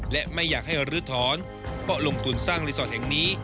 และไม่อยากให้ลื้อถอนเพราะลงทุนสร้างรีสอร์ทแห่งนี้